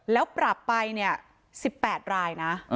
แล้วปรับไปเนี่ย๑๘รายนะ